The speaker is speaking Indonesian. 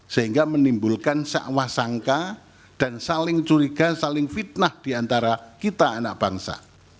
sehingga menimbulkan sakwah sangka dan saling curiga saling fitnah diantara kita anak bangsa